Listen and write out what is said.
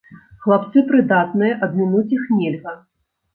Хлапцы прыдатныя, абмінуць іх нельга.